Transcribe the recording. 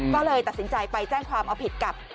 ก็เลยตัดสินใจไปแจ้งความเอาผิดกับ